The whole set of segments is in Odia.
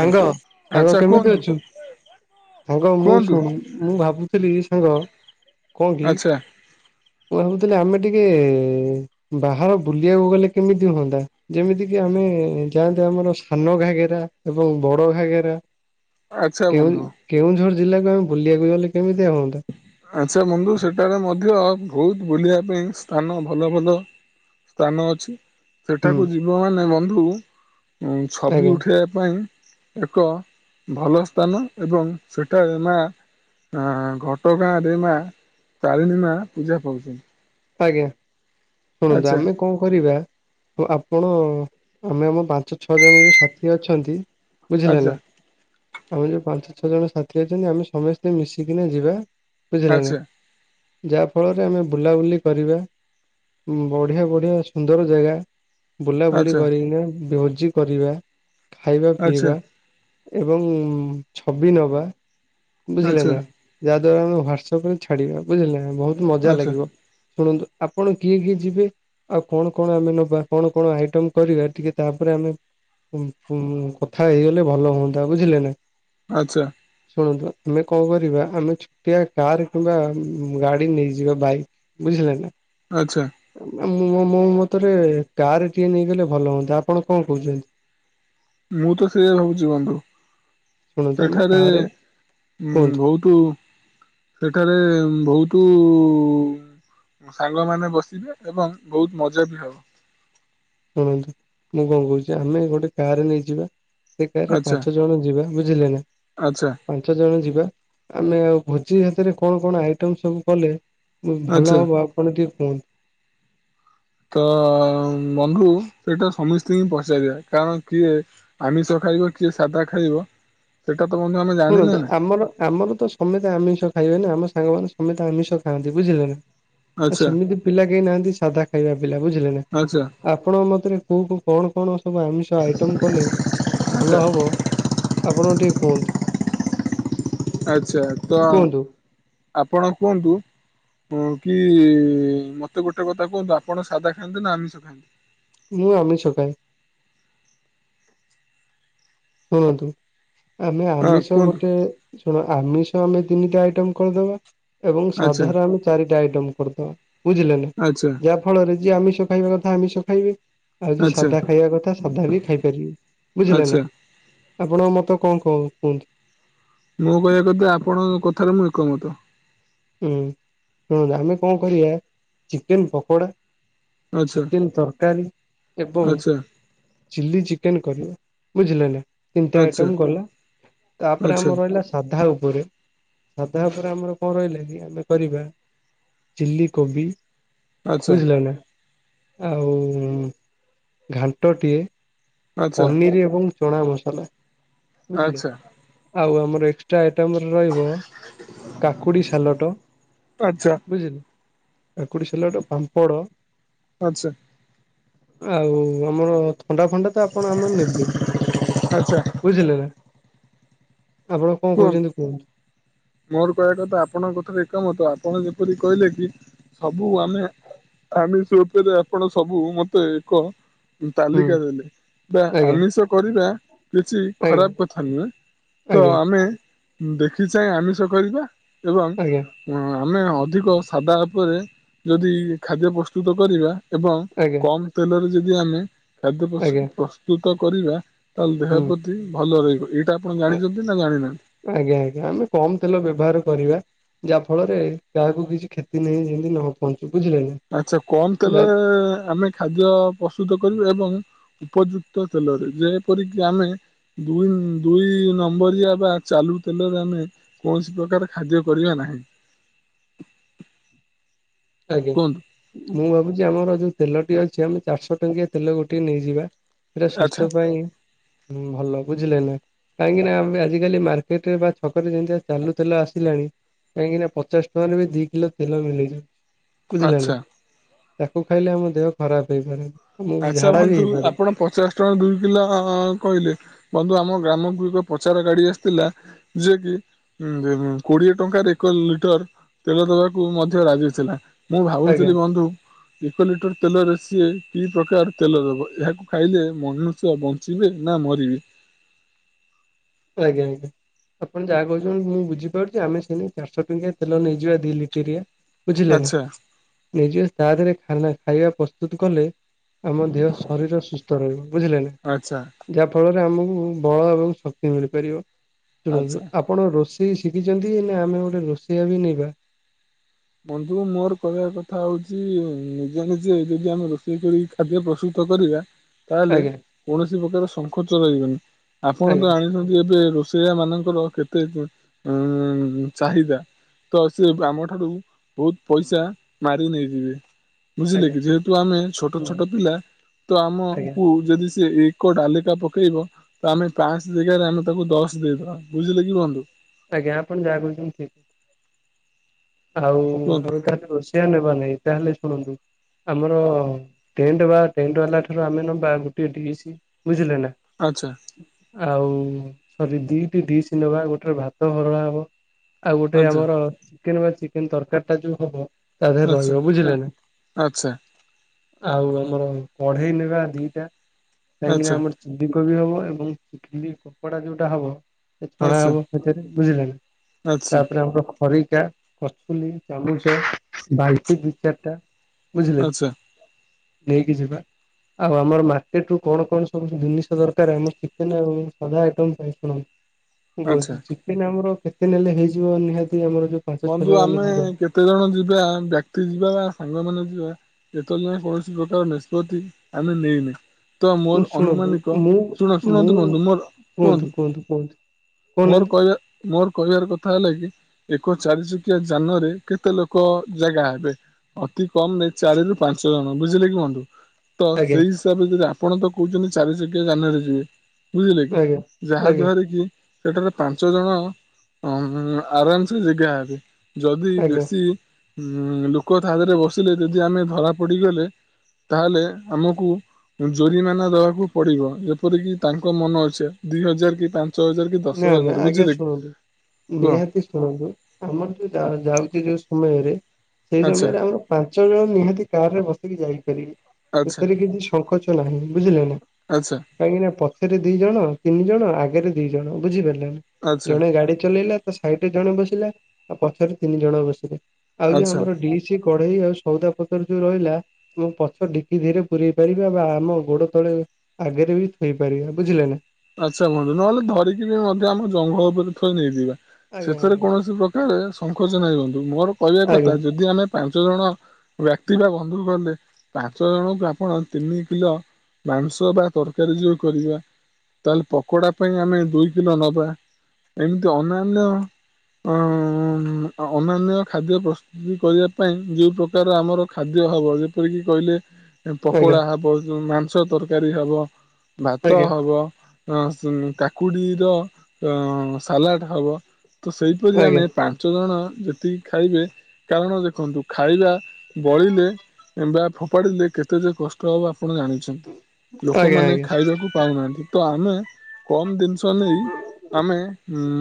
ସାଙ୍ଗ ସାଙ୍ଗ ଆଚ୍ଛା କେମିତି କୁହନ୍ତୁ ଅଛୁ ସାଙ୍ଗ ମୁଁ କୁହନ୍ତୁ ଶୁଣ ମୁଁ ଭାବୁଥିଲି ସାଙ୍ଗ କଣ କି ଆଚ୍ଛା ମୁଁ ଭାବୁଥିଲି ଆମେ ଟିକେ ବାହାର ବୁଲିବାକୁ ଗଲେ କେମିତି ହୁଅନ୍ତା। ଯେମିତି କିି ଆମେ ଯାଆନ୍ତେ ଆମର ସାନ ଘାଘେରା। ଏବଂ ବଡ ଘାଗରା ଆଚ୍ଛା କେଉ ବନ୍ଧୁ କେଉଁଝର ଜିଲ୍ଲାକୁ ଆମେ ବୁଲିବାକୁ ଗଲେ କେମିତିଆ ହୁଅନ୍ତା। ଆଚଛା ବନ୍ଧୁ ସେଠାରେ ମଧ୍ୟ ବହୁତ ବୁଲିବା ପାଇଁ ସ୍ଥାନ ଭଲ ଭଲ ସ୍ଥାନ ଅଛି। ହୁଁ ସେଠାକୁ ଯିବମାନେ ବନ୍ଧୁ ଛବି ଆଜ୍ଞା ଉଠାଇବା ପାଇଁ ଏକ ଭଲ ସ୍ଥାନ ଏବଂ ସେଠାରେ ମା ଘ ଛୋଟ ଗାଁରେ ମା ତାରିଣୀ ମା ପୂଜା ପାଉଛନ୍ତି। ଆଜ୍ଞା ଶୁଣନ୍ତୁ ଆଚ୍ଛା ଆମେ କଣ କରିବା ଆପଣ ଆମେ ଆମ ପାଞ୍ଚ ଛଅ ଜଣ ଯୋଉ ସାଥି ଅଛନ୍ତି। ବୁଝିଲା ଆଚ୍ଛା ନା ଆମର ଯୋଉ ପାଞ୍ଚ ଛଅ ଜଣ ସାଥି ଅଛନ୍ତି ଆମେ ସମସ୍ତେ ମିଶିକିନା ଯିବା। ବୁଝିଲ ନାି ଆଚ୍ଛା ଯାହା ଫଳରେ ଆମେ ବୁଲାବୁଲି କରିବା ବଢିଆ ବଢିଆ ସୁନ୍ଦର ଜାଗା ବୁଲାବୁଲି ଆଚ୍ଛା କରିକିନା ଭୋଜି କରିବା ଖାଇବା ଆଚ୍ଛା ପିଇବା। ଏବଂ ଛବି ନବା ବୁଝିଲେ ଆଚ୍ଛା ନା। ଯାହା ଦ୍ଵାରା ଆମେ ହ୍ୱାଟ୍ସପ ରେ ଛାଡିବା ବୁଝିଲେ ବହୁତ ମଜା ଆଚ୍ଛା ଲାଗିବ। ଶୁଣନ୍ତୁ ଆପଣ କିଏ କିଏ ଯିବେ? ଆଉ କଣ କଣ ଆମେ ନବା କଣ କଣ ଆଇଟମ କରିବା ଟିକେ ତାପରେ ଆମେ ହୁଁ ହୁଁ କଥା ହେଇଗଲେ ଭଲ ହୁଅନ୍ତା ବୁଝିଲେ ନା। ଆଚ୍ଛା। ଶୁଣନ୍ତୁ ଆମେ କଣ କରିବା ଆମେ ଛୋଟିଆ କାର୍ କିମ୍ବା ଗାଡ଼ି ନେଇଯିବା ବାଇକ୍ ବୁଝିଲେ ନା। ଆଚ୍ଛା। ମୁଁ ମୋ ମତରେ କାର ଟିଏ ନେଇଗଲେ ଭଲ ହୁଅନ୍ତା ଆପଣ କଣ କହୁଛନ୍ତି? ମୁଁ ତ ସେୟା ଭାବୁଛି ବନ୍ଧୁ ଶୁଣନ୍ତୁ ଆମେ ସେଠାରେ କାରେ କୁହନ୍ତୁ ବହୁତ ତୁ ସେଠାରେ ବହୁତୁ ସାଙ୍ଗମାନେ ବସିବେ ଏବଂ ବହୁତ ମଜା ବି ହବ। ଶୁଣନ୍ତୁ ମୁଁ କଣ କହୁଚି ଆମେ ଗୋଟେ କାରେ ନେଇଯିବା। ସେ କାରେ ଆଚ୍ଛା ପାଞ୍ଚ ଜଣ ଯିବା ବୁଝିଲେ ନା। ଆଚ୍ଛା ପାଞ୍ଚ ଜଣ ଯିବା ଆମେ ଆଉ ଭୋଜି ହେତରେ କଣ କଣ ଆଇଟମ୍ ସବୁ କଲେ ଭଲ ଆଚ୍ଛା ହବ ଆପଣ ଟିକେ କୁହନ୍ତୁ। ତ ବନ୍ଧୁ ସେଇଟା ସମସ୍ତ ହି ପଚାରି ଦିଆ କାରଣ କିଏ ଆମିଷ ଖାଇବ କିଏ ସାଧା ଖାଇବ? ସେଟା ତ ମଧ୍ୟ ଆମେ ଜାଣିନେ ଶୁଣନ୍ତୁ ନା ଆମର ଆମର ତ ସମେତ ଆମିଷ ଖାଇବେ ନା ଆମ ସାଙ୍ଗମାନେ ସମେତ ଆମିଷ ଖାଆନ୍ତି ବୁଝିଲେ ନା। ଆ ଆଚ୍ଛା ସେମିତି ପିଲା କେହି ନାହାନ୍ତି ସାଧା ଖାଇବା ପିଲା ବୁଝିଲେ ନା ଆଚ୍ଛା ଆପଣଙ୍କ ମତରେ କୋଉ କୋଉ କଣ କଣ ସବୁ ଆମିଷ ଆଇଟମ୍ କଲେ ଆଚ୍ଛା ଭଲ ହବ ଆପଣ ଟିକେଏ କୁହନ୍ତୁ। ଆଚ୍ଛା ତ କୁହନ୍ତୁ ଆ ଆପଣ କୁହନ୍ତୁ। କଣ କି ମତେ ଗୋଟେ କଥା କୁହନ୍ତୁ ଆପଣ ସାଧା ଖାଆନ୍ତି ନା ଆମିଷ ଖାଆନ୍ତି? ମୁଁ ଆମିଷ ଖାଏ। ଶୁଣନ୍ତୁ ଆମେ ହଁ ଆମିଷ କୁହନ୍ତୁ ଗୋଟେ ଶୁଣ ଆମିଷ ଆମେ ତିନିଟା ଆଇଟମ କରିଦବା ଏବଂ ଆଚ୍ଛା ସାଧାର ଆମେ ଚାରିଟା ଆଇଟମ କରିଦବା। ବୁଝିଲେ ନା ଆଚ୍ଛା ଯାହା ଫଳରେ ଯିଏ ଆମିଷ ଖାଇବା କଥା ଆମିଷ ଖାଇବେ। ଆଉ ଯିଏ ଆଚ୍ଛା ସାଧା ଖାଇବା କଥା ସାଧା ବି ଖାଇପାରିବେ ବୁଝିଲେ ନା। ଆଚ୍ଛା ଆପଣ ମତେ କଣ କ କୁହନ୍ତୁ? ମୁଁ କହିବା କଥା ଆପଣଙ୍କ କଥାରେ ମୁଁ ଏକମତ ହୁଁ ଶୁଣନ୍ତୁ ଆମେ କଣ କରିବା ଚିକେନ ପକୋଡା ଆଚ୍ଛା ଚିକେନ ତରକାରୀ ଏବଂ ଆଚ୍ଛା ଚିଲି ଚିକେନ କରିବା ବୁଝିଲେ ନା ତିନିଟା ଆଚ୍ଛା ଆଇଟମ ଗଲା ତାପରେ ଆଚ୍ଛା ଆମର ରହିଲା ସାଧା ଉପରେ ସାଧା ଉପରେ ଆମର କଣ ରହିଲେ ଆମେ କରିବା ଚିଲିକୋବି ଆଚ୍ଛା ବୁଝିଲ ନା ଆଉ ଘାଣ୍ଟଟିଏ ଆଚ୍ଛା ପନିର ଏବଂ ଚଣା ମସଲା ବୁଝିଲେ ଆଚ୍ଛା ଆଉ ଆମର ଏକ୍ସଟ୍ରା ଆଇଟମ ରହିବ କାକୁଡି ସାଲଟ ଆଚ୍ଛା ବୁଝିଲେ ଏକୁଡି ସ ହେଲା ଗୋଟେ ପାମ୍ପଡ ଆଚ୍ଛା ଆଉ ଆମର ଥଣ୍ଡା ଫଣ୍ଡା ତ ଆପଣ ଆମେ ନେବେ ଆଚ୍ଛା ବୁଝିଲେ ନା ଆପଣ କଣ କୁହନ୍ତୁ କହୁଛନ୍ତି କୁହୁ ମୋର କହିବା କଥା ଆପଣଙ୍କ କଥାରେ ଏକମତ ଆପଣ ଯେପରି କହିଲେ କି ସବୁ ଆମେ ଆମିଷ ଉପରେ ଆପଣ ସବୁ ମତେ ଏକ ହୁଁ ତାଲିକା ଦେ ବୋଲି ବା ଆଜ୍ଞା ଆମିଷ କରିବା କିଛି ଆଜ୍ଞା ଖରାପ କଥା ନୁହେଁ ତ ଆଜ୍ଞା ଆମେ ଦେଖି ଚାଁ ଆମିଷ କରିବା ଏବଂ ଆଜ୍ଞା ଆମେ ଅଧିକ ସାଦା ଉପରେ ଯଦି ଖାଦ୍ୟ ପ୍ରସ୍ତୁତ କରିବା ଏବଂ ଆଜ୍ଞା କମ ତେଲରେ ଯଦି ଆମେ ଖାଦ୍ୟ ଆଜ୍ଞା ପ୍ରସ୍ତୁତ କରିବା ତାହେଲେ ଦେହ ହୁଁ ପ୍ରତି ଭଲ ରହିବ ଏଇଟା ଆପଣ ଜାଣିଛନ୍ତି ନା ଜାଣିନାହାନ୍ତି ଆଜ୍ଞା ଆଜ୍ଞା ଆମେ କମ ତେଲ ବ୍ୟବହାର କରିବା ଯାହା ଫଳରେ କାହାକୁ କିଛି କ୍ଷତି ନେଇ ଯେମିତି ନ ପହଞ୍ଚୁ ବୁଝିଲେ ନା ଆଚ୍ଛା କମ ତେଲରେ ଆମେ ଖାଦ୍ୟ ପ୍ରସ୍ତୁତ କରିବୁ ଏବଂ ଉପଯୁକ୍ତ ତେଲରେ ଯେପରିକି ଆମେ ଦୁଇ ଦୁଇ ନମ୍ବରଆ ବା ଚାଲୁ ତେଲରେ ଆମେ କୌଣସି ପ୍ରକାର ଖାଦ୍ୟ କରିବା ନାହିଁ ଆଜ୍ଞା କୁହନ୍ତୁ ମୁଁ ଭାବୁଛି ଆମର ଯୋଉ ତେଲଟି ଅଛି ଆମେ ଚାରିଶହ ଟଙ୍କିଆ ତେଲ ଗୋଟିଏ ନେଇଯିବା ସେଇଟା ଆଚ୍ଛା ସୁସ୍ଥ ପାଇଁ ଭଲ ବୁଝିଲେ ନା କାହିଁକି ନା ଆଜିିକାଲି ମାର୍କେଟରେ ବା ଛକ ରେ ଯେିତି ଚାଲୁ ତେଲୁ ଆସିଲାଣି କାହିଁକି ନା ପଚାଶ ଟଙ୍କାରେ ବି ଦି କିଲୋ ତେଲ ମିଳେଇଛି ବୁଝିଲ ନା ଆଚ୍ଛା ତାକୁ ଖାଇଲେ ଆମ ଦେହ ଖରାପ ହେଇପାରେନି ଆଚ୍ଛା ବନ୍ଧୁ ଆପଣ ପଚାଶ ଦୁଇ କିଲୋ କହିଲେ ବନ୍ଧୁ ଆମ ଗ୍ରାମକୁ ଏକ ପଚାର ଗାଡି ଆସିଥିଲା ଯେଏ କିି ହଁ କୋଡିଏ ଟଙ୍କାରେ ଏକ ଲିଟର ତେଲ ଦବାକୁ ମଧ୍ୟ ରାଜି ଥିଲା ମୁଁ ଆଜ୍ଞା। ଭାବୁଥିଲି ବନ୍ଧୁ ଏକ ଲିଟର ତେଲରେ ସିଏ କି ପ୍ରକାର ତେଲ ଦବ ଏହାକୁ ଖାଇଲେ ମନୁଷ୍ୟ ବଞ୍ଚିବେ ନା ମରିବେ ଆଜ୍ଞା ଆଜ୍ଞା ଆପଣ ଯାହା କହୁଛନ୍ତି ମୁଁ ବୁଝିପାରୁଛି ଆମେ ସେନି ଚାରିଶହ ଟଙ୍କିଆ ତେଲ ନେଇଯିବା ଦି ଲିଟରଆ ବୁଝିଲେ ନା ଆଚ୍ଛା ନିଜେ ତାଦରୋନ ଖାଇବା ପ୍ରସ୍ତୁତ କଲେ ଆମ ଦେହ ଶରୀର ସୁସ୍ଥ ରହିବ ବୁଝିଲେ ନା ଆଚ୍ଛା ଯାହାଫଳରେ ଆମକୁ ବଳ ଏବଂ ଶକ୍ତି ମିଳିପାରିବ ଆଚ୍ଛା ଶୁଣନ୍ତୁ ଆପଣ ରୋଷେଇ ଶିଖିଛନ୍ତି ନା ଆମେ ଗୋଟେ ରୋଷେଇଆ ବି ନବା ବନ୍ଧୁ ମୋର କହିବା କଥା ହଉଛି ନିଜେ ନିଜେ ଯଦି ଆମେ ରୋଷେଇ କରି ଖାଦ୍ୟ ପ୍ରସ୍ତୁତ କରିବା ତାହେଲେ ଆଜ୍ଞା କୌଣସି ପ୍ରକାର ଶଙ୍ଖ ଚ ରହିବନି ଆପଣ ଆଜ୍ଞା। ତ ଆଣିଛନ୍ତି ଏବେ ଶଆ ମାନଙ୍କର କେତେ ଉ ଚାହିଦା ତ ସେ ଆମ ଠାରୁ ବହୁତ ପଇସା ମାରି ନେଇଯିବେ ବୁଝିଲେ ଆଜ୍ଞା କି ଯେହେତୁ ଆମେ ଛୋଟ ହୁଁ ଛୋଟ ପିଲା ତ ଆଜ୍ଞା ଆମକୁ ଯଦି ସେ ଏକ ଡାଲିକା ପକେଇବ ତ ଆମେ ପାଞ୍ଚ ଜିଗାରେ ଆମେ ତାକୁ ଦଶ ଦେଇଦବା ବୁଝିଲେ କି କୁହନ୍ତୁ ଆଜ୍ଞାପଣ ଜାଗୁଛନ୍ତି ଠିକ ଆଉ କୁହନ୍ତୁ ଆା ରୋଷଆ ନେବା ନାହିଁ ତାହେଲେ ଶୁଣନ୍ତୁ ଆମରଣ୍ଟ ବାଣ୍ଟ ବାଲା ଠାରୁ ଆମେ ନ ଗୋେ ଡି ବୁଝିଲେ ନା ଆଚ୍ଛା ଆଉ ସରି ଦିଟି ଢିସ୍ ନବା ଗୋଟେ ଭାତ ହରଳା ହବ ଆଉ ଗୋଟେ ଆଚ୍ଛା ଆମର ଚିକେନ ବା ଚିକେନ ତରକାରୀ ଟା ଯୋଉ ହବ ତାେ ଆଚ୍ଛା ତିବ ବୁଝିଲେ ଆଚ୍ଛା ଆଉ ଆମର କଢେଇ ନେବା ଦିଟା ଆଚ୍ଛା। କାହିଁକିନା ଆମର ସଧ କୋବି ହବ ଏବଂିଲି ପପୋଡା ଯୋଉଟା ହବ ସେ ଛଣା ଆଚ୍ଛା ହବ ସେିତରେ ବୁଝିଲାଣି ଆଚ୍ଛା ତାପରେ ଆମର ଖରିକା ଛଲି ଚାଲୁଛ ବାଇ ବିଚାର ଟା ବୁଝିଲେ ଆଚ୍ଛା ନେଇକି ଯିବା ଆଉ ଆମର ମାର୍କେଟ ରୁ କଣ କଣ ସବୁ ଜିନିଷ ଦରକାର ଆମ କେତେ ନା ସା ଆଇ ଶୁଣନ୍ତିୁ କ ଆଚ୍ଛା ଚିକେନ ଆମର କେତେ ନେଲେ ହେଇଯିବ ନିହାତି ଆମର ଯୋଉ ପାଞ୍ଚ ଛଅ ବନ୍ଧୁ ଜଣ ଆମେ ଯିବା। କେତେ ଜଣ ଯିବା ବ୍ୟକ୍ତି ଯିବା ବା ସାଙ୍ଗ ମାନେ ଯିବା ଏତାଇ କୌଣସି ପ୍ରକାର ନିଷ୍ପତ୍ତି ଆମେ ନେଇନି ତ ମୋର ଶୁଣନ୍ତୁ ଅନୁମାନିକ ମୁଁ ଶ ମୁଁ ଶୁଣନ୍ତୁ ବନ୍ଧୁ ମୋର କୁହନ୍ତୁ ମୋର କହୁନାହାନ୍ତି କହିବା ମୋର କହିବାର କଥା ହେଲା କି ଲ ଚାରି ଚକିଆ ଯାନରେ କେତେ ଲୋକ ଜାଗା ହେବେ ଅତି କମ ନାଇ ଚାରି ରୁ ପାଞ୍ଚ ଜଣ ବୁଝିଲେ କୁହନ୍ତୁ ତ ଆଜ୍ଞା ସେଇ ହିସାବରେ ଯଦି ଆପଣ ତ କହୁଛନ୍ତି ଚାରିଶକି ଜାନଆରେ ଯିବେ ବୁଝିଲେ କି ଆଜ୍ଞା। ଯାହା ଆଜ୍ଞା ଦ୍ଵାରା କି ସେଠାରେ ପାଞ୍ଚ ଜଣ ଆରାମ ଜାଗା ଏବେ ଯଦି ଆଜ୍ଞା ବେଶୀ ଲୋକ ତା ଦେହରେ ବସିଲେ ଯଦି ଆମେ ଧରା ପଡ଼ିଗଲେ ତାହେଲେ ଆମକୁ ଜୋରିମାନା ଦବାକୁ ପଡିବ ଯେପରିକି ତାଙ୍କ ମନ ଅଛେ ଦି ହଜାର କି ପାଞ୍ଚ ହଜାର କି ଦଶ ନା ହଜାର ନା ଆଜ୍ଞା ବୁଝିଲେ କି ଶୁଣନ୍ତୁ କୁହ ନିହାତି ଶୁଣନ୍ତୁ ଆମର ଯୋଉ ଯାଉଛି ଯୋଉ ସମୟରେ ସେଇ ଆଚ୍ଛା ସମୟରେ ଆମର ପାଞ୍ଚ ଜଣ ନିହାତି କାର ରେ ବସିକି ଯାଇପାରିବେ ଆଚ୍ଛା ଏଥିରେ କିଛି ସଙ୍କୋଚ ନାହିଁ ବୁଝିଲେ ନା ଆଚ୍ଛା କାହିଁକି ନା ପଛରେ ଦି ଜଣ ତିନି ଜଣ ଆଗରେ ଦି ଜଣ ବୁଝିପାରିଲାନି ଆଚ୍ଛା ଜଣେ ଗାଡି ଚଲେଇଲା ସାଇଟରେ ଜଣେ ବସିଲା ଆଉ ପଛରେ ତିନି ଜଣ ବସିଲା ଆଉ ଯୋଉ ଆଚ୍ଛା ଆମର ଡି କିଛି କଢେଇ ଆଉ ସଉଦା ପତର ଯୋଉ ରହିଲା ମୁଁ ପଛ ଡିକି ଧୀରେ ପୁରରେଇ ପାରିବି ବା ଆମ ଗୋଡ ତଳେ ଆଗରେ ବି ଥୋଇପାରିବା ବୁଝିଲେ ନା ଆଚ୍ଛା ହୁହନ୍ତୁ ନହେଲେ ଧରିକି ବି ମଧ୍ୟ ଆମ ଜଙ୍ଗଲ ଉପରେ ଥୋଇ ନେଇଯିବା ଆଜ୍ଞା ସେଥିରେ ଆଜ୍ଞା। କୌଣସି ପ୍ରକାର ଏରେ ଶଙ୍ଖର୍ଚ ନାହିଁ ବନ୍ଧୁ ମୋର କହିବା ଆଜ୍ଞା କଥା ଯଦି ଆମେ ପାଞ୍ଚ ଜଣ ବ୍ୟକ୍ତି ବା ବନ୍ଧୁ କହଲେ ପାଞ୍ଚ ଜଣଙ୍କୁ ଆପଣ ତିନି କିଲୋ ମାଂସ ବା ତରକାରୀ ଯୋଉ କରିବା ତାହେଲେ ପକୋଡ଼ା ପାଇଁ ଆମେ ଦୁଇ କିଲୋ ନବା ଏମିତି ଅନ୍ୟାନ୍ୟ ଅ ଅନ୍ୟନ୍ୟ ଖାଦ୍ୟ ପ୍ରସ୍ତୁ କରିବା ପାଇଁ ଯୋଉ ପ୍ରକାର ଆମର ଖାଦ୍ୟ ହବ ଯେପରିକି କହିଲେ ଆଜ୍ଞା ପକୋଡ଼ା ହେବ ମାଂସ ତରକାରୀ ହେବ ଭାତ ଆଜ୍ଞା ହେବ କାକୁଡ଼ିର ସାଲାଡ଼ ହବ ତ ସେହିପରି ଆଜ୍ଞା ଆମେ ପା ପାଚ ଜଣ ଯେତିକି ଖାଇବେ କାରଣ ଦେଖନ୍ତୁ ଖାଇବା ବଳିଲେ ମ୍ବା ଫୋପାଡ଼ିଲେ କେତେ ଯେ କଷ୍ଟ ହବ ଆପଣ ଜାଣିଛନ୍ତି ଆଜ୍ଞା ଲୋକମାନେ ଆଜ୍ଞା। ଖାଇବାକୁ ପାଉନାହାନ୍ତି ତ ଆମେ କମ ଦିନ ନେଇ ଆମେ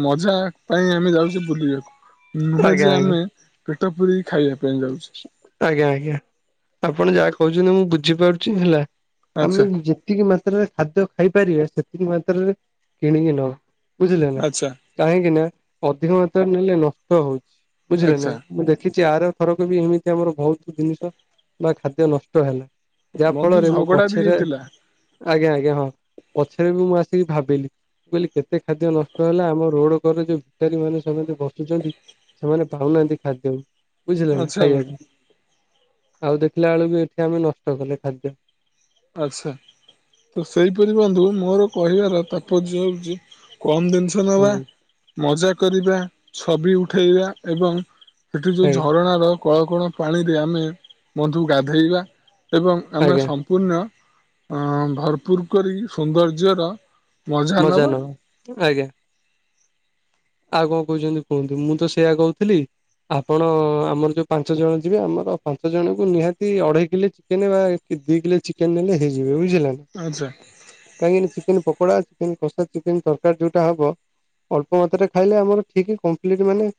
ମଜା ପାଇଁ ଆମେ ଯାଉଛେ ବୁଲିବାକୁ ନୁହେଁ ଆଜ୍ଞା ଯେ ଆଜ୍ଞା ଆମେ ପେଟ ପୁରିକି ଖାଇବା ପାଇଁ ଯାଉଛେ ଆଜ୍ଞା ଆଜ୍ଞା ଆପଣ ଯାହା କହୁଛନ୍ତି ମୁଁ ବୁଝିପାରୁଛି ହେଲା ଆମେ ଆଚ୍ଛା ଯେତିକି ମାତ୍ରାରେ ଖାଦ୍ୟ ଖାଇପାରିବେ ସେତିକି ମାତ୍ରାରେ କିଣିକି ନ ବୁଝିଲ ନା ଆଚ୍ଛା କାହିଁକି ନା ଅଧିକ ମାତ୍ରାରେ ନେଲେ ନଷ୍ଟ ହଉଛି ବୁଝିଲେ ନା ଆଚ୍ଛା ମୁଁ ଦେଖିଛି ଆର ଥରକ ବି ଏମିତି ଆମର ବହୁତ ଜିନିଷ ବା ଖାଦ୍ୟ ନଷ୍ଟ ହେଲା ଯାହା ବନ୍ଧୁ ଫଳରେ ମୁଁ ଝଗଡ଼ା ବି ପଛରେ ହେଇଥିଲା ଆଜ୍ଞା ଆଜ୍ଞା ହଁ ପଛରେ ବି ମୁଁ ଆସିକି ଭାବିଲି କହିଲି କେତେ ଖାଦ୍ୟ ନଷ୍ଟ ହେଲା ଆମ ରୋଡ ଘରେ ଯୋଉ ବିଚାରୀ ମାନେ ସେ ବସୁଛନ୍ତି ସେମାନେ ପାଉନାହାନ୍ତି ଖାଦ୍ୟକୁ ବୁଝିଲେ ନା ଆଚ୍ଛା ବନ୍ଧୁ ଖାଇବାକୁ ଆଉ ଦେଖିଲା ବେଳକୁ ଏଠି ଆମେ ନଷ୍ଟ କଲେ ଖାଦ୍ୟ ଆଚ୍ଛା ତ ସେହିପରି ବନ୍ଧୁ ମୋର କହିବାର ତାତ୍ପର୍ଯ୍ୟ ହଉଛି କମ ଜିନିଷ ଛ ହୁଁ ନେବା ମଜା କରିବା ଛବି ଉଠେଇବା ଏବଂ ସେଠି ଯୋଉ ଆଜ୍ଞା ଝରଣାର କଳକଣ ପାଣିରେ ଆମେ ବନ୍ଧୁକୁ ଗାଧେଇବା ଏବଂ ଆମେ ଆଜ୍ଞା ସମ୍ପୂର୍ଣ୍ଣ ଭରପୁର କରି ସୌନ୍ଦର୍ଯ୍ୟର ମଜା ନବା ଆଜ୍ଞା। ଆଉ କଣ କହୁଛନ୍ତି କୁହନ୍ତୁ ମୁଁ ତ ସେଇୟଆ କହୁଥିଲି। ଆପଣ ଆମର ଯୋଉ ପାଞ୍ଚ ଜଣ ଯିବେ ଆମର ପାଞ୍ଚ ଜଣଙ୍କୁ ନିହାତି ଅଢ଼େଇ କିଲୋ ଚିକେନେ ବା ଦିଲେ ଚିକେନ ନେଲେ ହେଇଯିବେ ବୁଝିଲ ନା। ଆଚ୍ଛା। କାହିଁକିନା ଚିକେନ ପକୋଡା ଚିକେନ କଷା ଚିକେନ ତରକାରୀ ଯୋଉଟା ହବ ଅଳ୍ ମାତ୍ରାରୋ ଖାଇଲେ ଆମର ଠିକ୍ କମ୍ପ୍ଲିଟ ମାନେ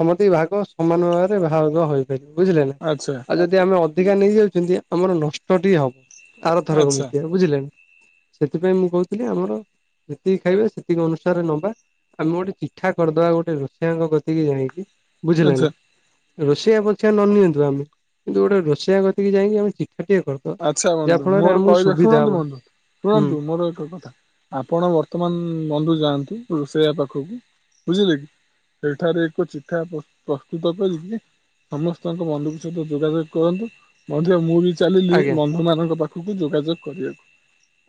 ସମତି ବିଭାଗ ସମାନ ଭାବରେ ଭାଗ ହୋଇ ବୁଝିଲେ ନା ଆଚ୍ଛା ଆଉ ଯଦି ଆମେ ଅଧିକା ନେଇଯାଉଛନ୍ତି ଆମର ନଷ୍ଟଟି ହବ। ଆରଥର ଆଚ୍ଛା ଏମିତି ହବ ବୁଝିଲେନା। ସେଥିପାଇଁ ମୁଁ କହୁଥିଲି ଆମର ଯେତିକି ଖାଇବା ସେତିକି ଅନୁସାରେ ନବା। ଆମେ ଗୋଟେ ଚିଠା କରିଦବା ଗୋଟେ ରୋଷେଇଆଙ୍କ କତିକି ଯାଇଛି ବୁଝିଲା ନା। ଆଚ୍ଛା ରୋଷେଇଆ ପକ୍ଷା ନ ନିଅନ୍ତୁ ଆମେ କିନ୍ତୁ ଗୋଟେ ରୋଷେଇଆ କରତିକିାଇକି ଆମେ ଚି୍ାିକଏ କର। ଆଚ୍ଛା ବନ୍ଧୁ ମୋର କହିଲ ଶୁଣନ୍ତୁ ବନ୍ଧୁ ହୁଁ ଶୁଣନ୍ତୁ ମୋର ଏକ କଥା। ଆପଣ ବର୍ତ୍ତମାନ ନନ୍ଦୁ ଯାଆନ୍ତୁ ରୋଷେଇଆ ପାଖକୁ ବୁଝିଲେ କି। ସେଇଠାରେ ଏକ ଚିଠା ପ୍ରସ୍ତୁତ କରଛି। ସମସ୍ତଙ୍କ ବନ୍ଧୁଙ୍କ ସହିତ ଯୋଗାଯୋଗ କରନ୍ତୁ ମଧ୍ୟ ମୁଁ ବି ଚାଲିଲି ଆଜ୍ଞା ବନ୍ଧୁ ମାନଙ୍କ ପାଖକୁ ଯୋଗାଯୋଗ କରିବାକୁ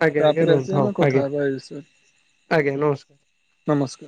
ଆଜ୍ଞା ଆଜ୍ଞା ତାପରେ ରୁହନ୍ତୁ ଆସି ହଉ ଆମେ ଆଜ୍ଞା କଥା ହେବା ଏ ବିଷୟରେ। ଆଜ୍ଞା ନମସ୍କାର। ନମସ୍କାର।